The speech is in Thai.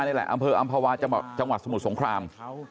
นี่แหละอำเภออำภาวาจังหวัดสมุทรสงคราม